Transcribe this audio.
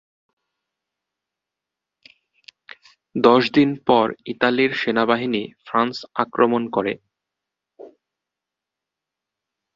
দশ দিন পর ইতালির সেনাবাহিনী ফ্রান্স আক্রমণ করে।